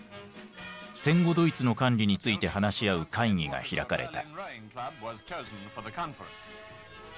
戦後ドイツの管理について話し合う会議が開かれた。